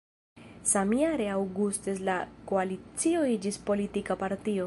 Samjare aŭguste la koalicio iĝis politika partio.